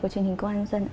của truyền hình công an dân